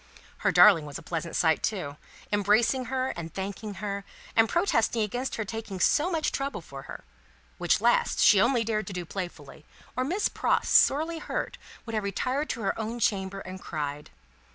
Her darling was a pleasant sight too, embracing her and thanking her, and protesting against her taking so much trouble for her which last she only dared to do playfully, or Miss Pross, sorely hurt, would have retired to her own chamber and cried.